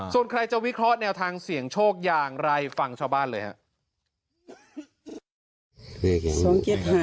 ส่วนใครจะวิเคราะห์แนวทางเสี่ยงโชคอย่างไรฟังชาวบ้านเลยครับ